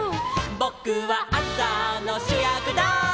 「ぼくはあさのしゅやくだい」